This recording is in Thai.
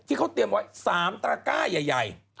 ที่เขาเตรียมไว้๓ตระก้าใหญ่